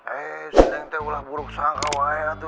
eh si neng tuh udah buruk sangat woy